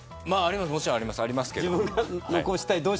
もちろんあります。